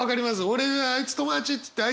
俺が「あいつ友達」っつってあ